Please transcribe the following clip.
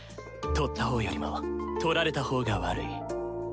盗った方よりも盗られた方が悪い。